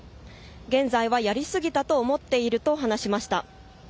現在はやりすぎたと思っていると話しました。